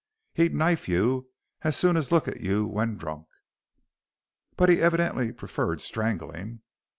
He'd knife you as soon as look at you when drunk." "But he evidently preferred strangling."